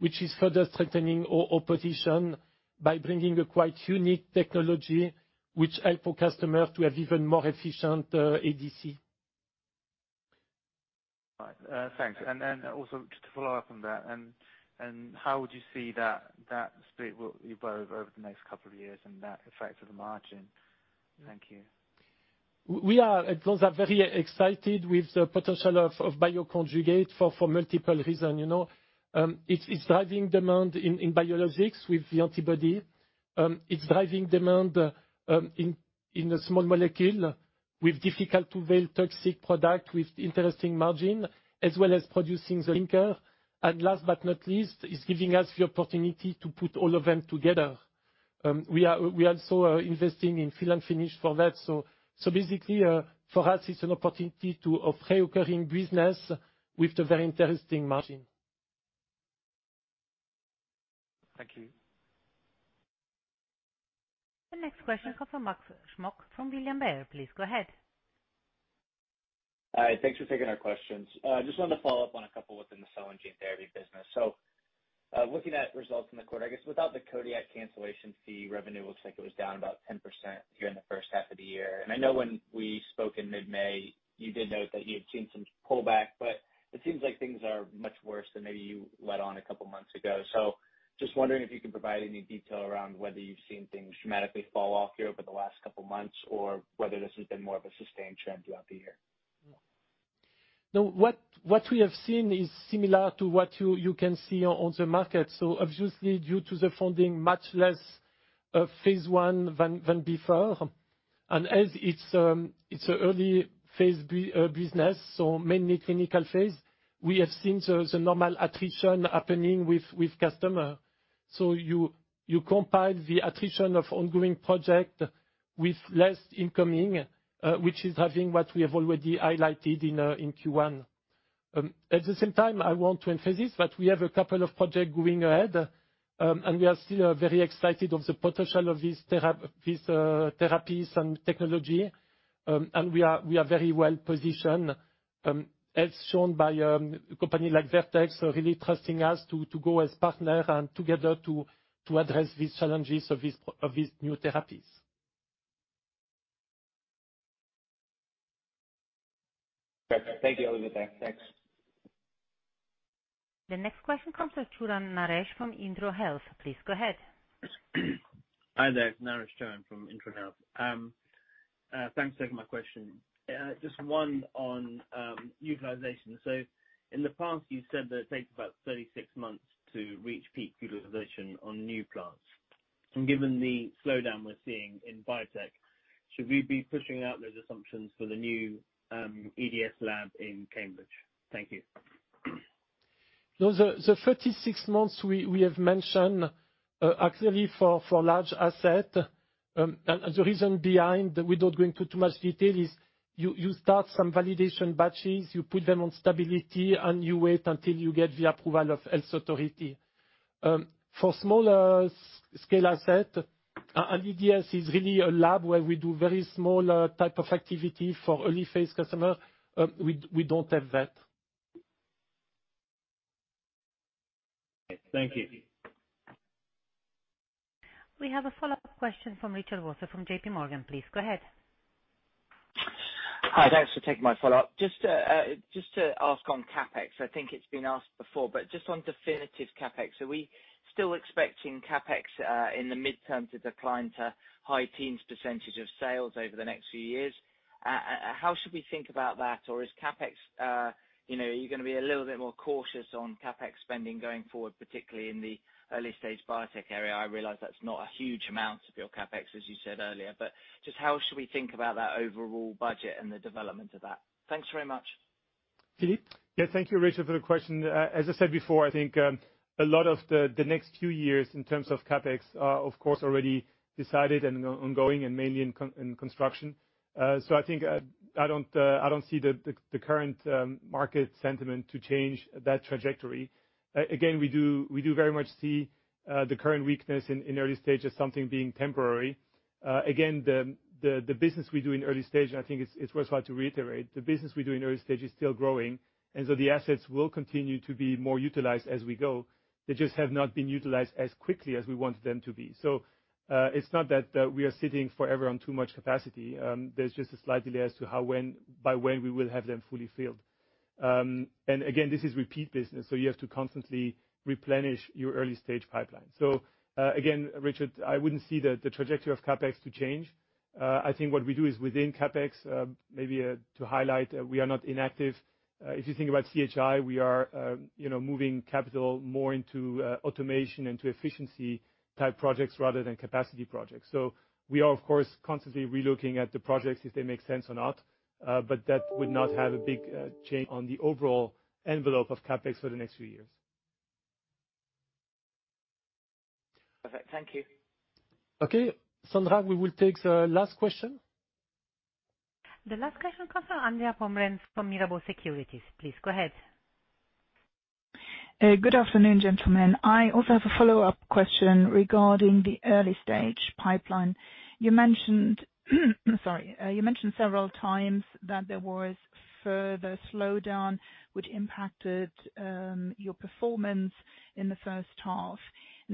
Speaker 2: which is further strengthening our position by bringing a quite unique technology, which help our customers to have even more efficient ADC.
Speaker 15: Right. Thanks. Also just to follow up on that, and how would you see that split will evolve over the next couple of years and that effect for the margin? Thank you.
Speaker 2: We are, at Lonza, very excited with the potential of bioconjugate for multiple reason. You know, it's driving demand in biologics with the antibody. It's driving demand in the small molecule with difficult-to-avail toxic product, with interesting margin, as well as producing the linker. Last but not least, it's giving us the opportunity to put all of them together. We also are investing in fill and finish for that. Basically, for us, it's an opportunity to a reoccurring business with a very interesting margin.
Speaker 15: Thank you.
Speaker 1: The next question comes from Max Smock from William Blair. Please go ahead.
Speaker 16: Hi, thanks for taking our questions. I just wanted to follow up on a couple within the Cell & Gene therapy business. Looking at results in the quarter, I guess without the Kodiak cancellation fee, revenue looks like it was down about 10% during the first half of the year. I know when we spoke in mid-May, you did note that you had seen some pullback, but it seems like things are much worse than maybe you let on a couple months ago. Just wondering if you can provide any detail around whether you've seen things dramatically fall off here over the last couple of months, or whether this has been more of a sustained trend throughout the year?
Speaker 2: What we have seen is similar to what you can see on the market. Obviously, due to the funding, much less phase I than before. As it's a early phase business, so mainly clinical phase, we have seen the normal attrition happening with customer. You compile the attrition of ongoing project with less incoming, which is having what we have already highlighted in Q1. At the same time, I want to emphasize that we have a couple of project going ahead, and we are still very excited of the potential of these therapies and technology. We are very well positioned, as shown by a company like Vertex, so really trusting us to go as partner and together to address these challenges of these new therapies.
Speaker 16: Okay. Thank you, I'll leave it there. Thanks.
Speaker 1: The next question comes from Naresh Chouhan from Intron Health. Please go ahead.
Speaker 17: Hi there, Naresh Chouhan from Intron Health. Thanks for taking my question. Just one on utilization. In the past, you said that it takes about 36 months to reach peak utilization on new plants. Given the slowdown we're seeing in biotech, should we be pushing out those assumptions for the new EDS lab in Cambridge? Thank you.
Speaker 2: No, the 36 months we have mentioned, actually for large asset. The reason behind, without going into too much detail, is you start some validation batches, you put them on stability, and you wait until you get the approval of health authority. For smaller scale asset, and EDS is really a lab where we do very small type of activity for early phase customer, we don't have that.
Speaker 17: Thank you.
Speaker 1: We have a follow-up question from Richard Vosser from JPMorgan. Please go ahead.
Speaker 4: Hi, thanks for taking my follow-up. Just to ask on CapEx, I think it's been asked before, but just on definitive CapEx, are we still expecting CapEx in the midterm to decline to high teens % of sales over the next few years? How should we think about that? Or is CapEx, you know, are you gonna be a little bit more cautious on CapEx spending going forward, particularly in the early stage biotech area? I realize that's not a huge amount of your CapEx, as you said earlier, but just how should we think about that overall budget and the development of that? Thanks very much.
Speaker 2: Philippe?
Speaker 3: Yeah, thank you, Richard, for the question. As I said before, I think a lot of the next few years in terms of CapEx are, of course, already decided and ongoing and mainly in construction. I think I don't see the current market sentiment to change that trajectory. Again, we very much see the current weakness in early stage as something being temporary. Again, the business we do in early stage, and I think it's worthwhile to reiterate, the business we do in early stage is still growing. The assets will continue to be more utilized as we go. They just have not been utilized as quickly as we want them to be. It's not that we are sitting forever on too much capacity. There's just a slight delay as to how, when, by when we will have them fully filled. Again, this is repeat business, so you have to constantly replenish your early stage pipeline. Again, Richard, I wouldn't see the trajectory of CapEx to change. I think what we do is within CapEx, maybe to highlight, we are not inactive. If you think about CHI, we are, you know, moving capital more into automation, into efficiency type projects rather than capacity projects. We are, of course, constantly relooking at the projects if they make sense or not, but that would not have a big change on the overall envelope of CapEx for the next few years.
Speaker 4: Perfect. Thank you.
Speaker 2: Okay. Sandra, we will take the last question.
Speaker 1: The last question comes from Anja Pomrehn, from Mirabaud Securities. Please go ahead.
Speaker 18: Good afternoon, gentlemen. I also have a follow-up question regarding the early stage pipeline. You mentioned, sorry, you mentioned several times that there was further slowdown which impacted your performance in the first half.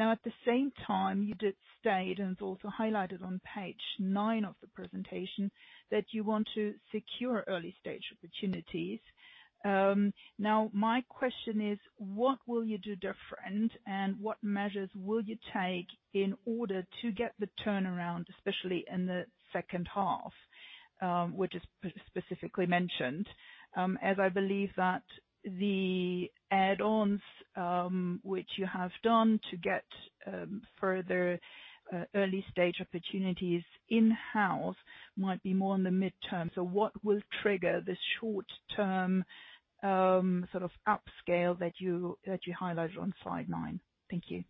Speaker 18: At the same time, you did state, and it's also highlighted on page nine of the presentation, that you want to secure early stage opportunities. My question is: What will you do different, and what measures will you take in order to get the turnaround, especially in the second half, which is specifically mentioned? As I believe that the add-ons, which you have done to get further early stage opportunities in-house might be more in the midterm. What will trigger the short term, sort of upscale that you highlighted on slide nine? Thank you.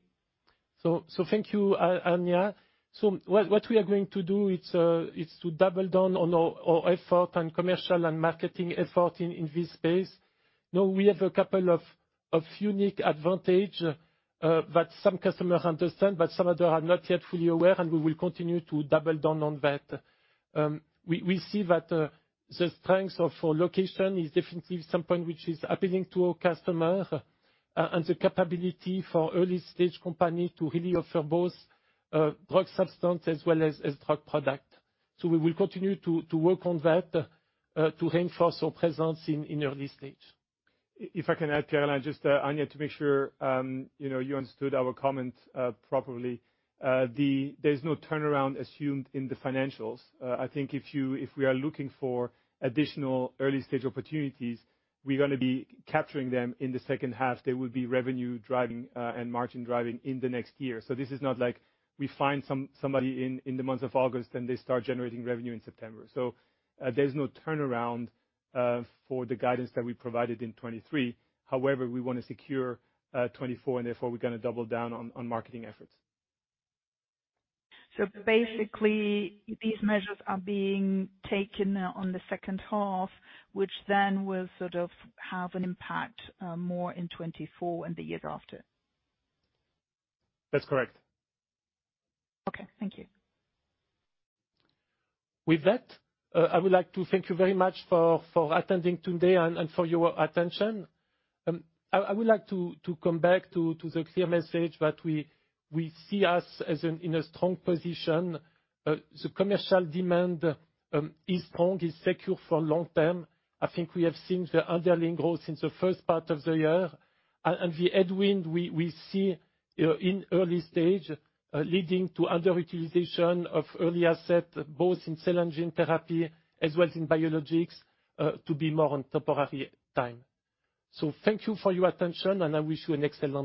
Speaker 2: Thank you, Anja. What we are going to do it's to double down on our effort on commercial and marketing effort in this space. We have a couple of unique advantage that some customers understand, but some other are not yet fully aware, and we will continue to double down on that. We see that the strength of our location is definitely some point which is appealing to our customer, and the capability for early stage company to really offer both drug substance as well as drug product. We will continue to work on that to reinforce our presence in early stage.
Speaker 3: If I can add color, just Anja, to make sure, you know, you understood our comment properly. There's no turnaround assumed in the financials. I think if you, if we are looking for additional early stage opportunities, we're gonna be capturing them in the second half. They will be revenue driving and margin driving in the next year. This is not like we find somebody in the month of August, then they start generating revenue in September. There's no turnaround for the guidance that we provided in 2023. However, we want to secure 2024, and therefore, we're gonna double down on marketing efforts.
Speaker 18: Basically, these measures are being taken on the second half, which then will sort of have an impact, more in 2024 and the years after?
Speaker 3: That's correct.
Speaker 18: Okay. Thank you.
Speaker 2: I would like to thank you very much for attending today and for your attention. I would like to come back to the clear message that we see us as in a strong position. The commercial demand is strong, is secure for long term. I think we have seen the underlying growth in the first part of the year, and the headwind we see in early stage leading to underutilization of early asset, both in Cell & Gene therapy as well as in Biologics, to be more on temporary time. Thank you for your attention, and I wish you an excellent day.